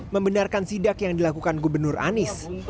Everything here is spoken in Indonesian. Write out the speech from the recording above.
membenarkan sidak yang dilakukan gubernur anies